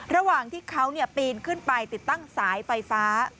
ระหว่างที่เขาปีนขึ้นไปติดตั้งสายไฟฟ้า